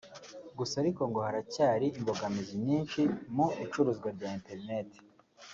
Gusa ariko ngo haracyari imbogamizi nyinshi mu icuruzwa rya Internet